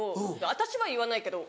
私は言わないけど。